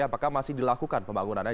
apakah masih dilakukan pembangunannya